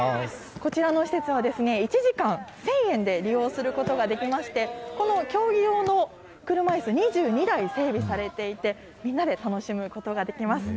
こちらの施設は、１時間１０００円で利用することができまして、この競技用の車いす２２台整備されていて、みんなで楽しむことができます。